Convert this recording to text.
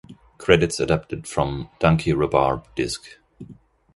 Credits adapted from "Donkey Rhubarb" disc.